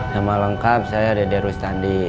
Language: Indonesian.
nama lengkap saya dede rustadi